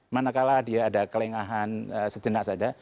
manakala dia ada kelengahan sejenak saja